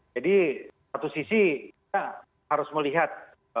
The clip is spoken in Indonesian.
satu sisi kita harus melihat